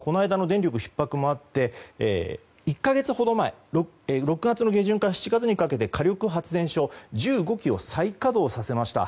ちなみに東京電力はこの間の電力ひっ迫もあって１か月ほど前６月下旬から７月にかけて火力発電所１５基を再稼働させました。